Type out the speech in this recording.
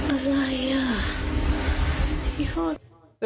อะไรอ่ะ